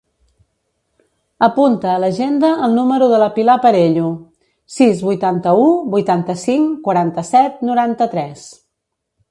Apunta a l'agenda el número de la Pilar Perello: sis, vuitanta-u, vuitanta-cinc, quaranta-set, noranta-tres.